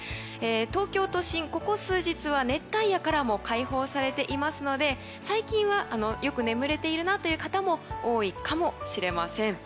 東京都心、ここ数日は熱帯夜からも解放されていますので、最近はよく眠れているなという方も多いかもしれません。